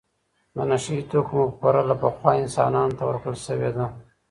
د نشه یې توکو مفکوره له پخوا انسانانو ته ورکړل شوې ده.